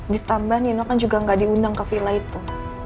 ditambah nino kan juga gak diundang ke villa itu